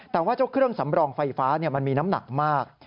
แต่ว่าเจ้าเครื่องสำรองไฟฟ้ามันมีน้ำหนักมาก